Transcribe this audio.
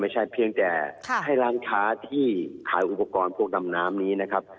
เพียงแต่ให้ร้านค้าที่ขายอุปกรณ์พวกดำน้ำนี้นะครับ